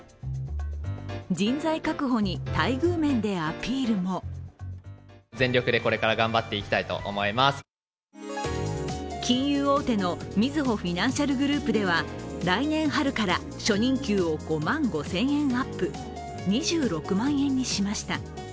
人材確保に待遇面でアピールも金融大手のみずほフィナンシャルグループでは来年春から初任給を５万５０００円アップ、２６万円にしました。